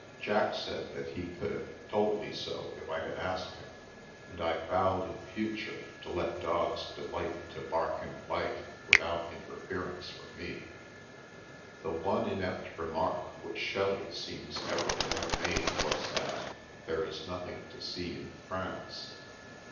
Jack said that he could have " told me so " if I had asked him, and I vowed in future to let dogs delight to bark and bite without interference from me. The one inept remark which Shelley seems ever to have made was that " there is nothing to see in France."